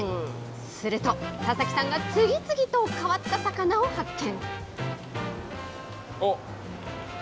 すると、田崎さんが次々と変わった魚を発見。